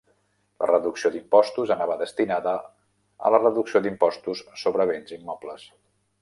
La reducció d'impostos anava destinada a la reducció d'impostos sobre béns immobles.